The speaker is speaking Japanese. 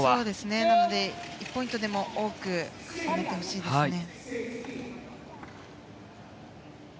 なので、１ポイントでも多く重ねてほしいですね。